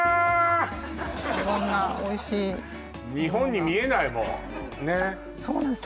色んなおいしい日本に見えないもうねっそうなんです